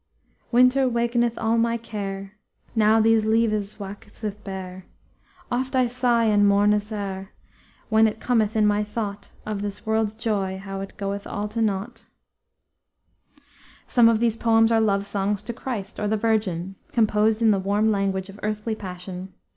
"Winter wakeneth all my care Now these leavës waxeth bare. Oft I sigh and mournë sare When it cometh in my thought Of this worldes joy, how it goeth all to nought" Some of these poems are love songs to Christ or the Virgin, composed in the warm language of earthly passion.